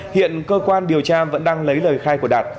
hiện cơ quan điều tra vẫn đang lấy lời khai của đạt